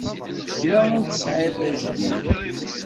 Kra ur t-sεiɣ d ajdid.